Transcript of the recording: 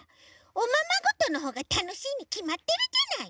おままごとのほうがたのしいにきまってるじゃない！